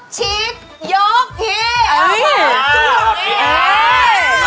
ชิบชิบยกพี่